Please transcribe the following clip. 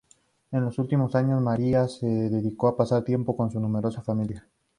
En sus últimos años, María se dedicó a pasar tiempo con su numerosa familia.